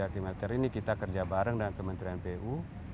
tiga km ini kita kerja bareng dengan kementerian pu